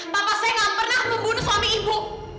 bapak saya gak pernah membunuh suami ibu